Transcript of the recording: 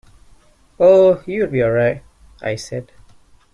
"Oh, you'll be all right," I said.